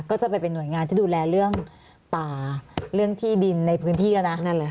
ก็จะไปเป็นหน่วยงานที่ดูแลเรื่องป่าเรื่องที่ดินในพื้นที่แล้วนะนั่นแหละ